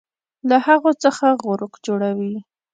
له هغو څخه غروق جوړوي